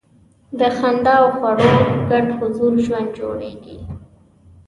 د خندا او خواړو ګډ حضور ژوند خوږوي.